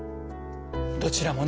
どちらもね